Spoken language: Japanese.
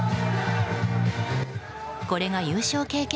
これが優勝経験